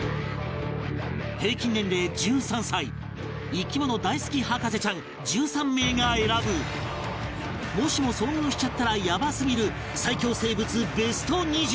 平均年齢１３歳生き物大好き博士ちゃん１３名が選ぶもしも遭遇しちゃったらヤバすぎる最恐生物ベスト２０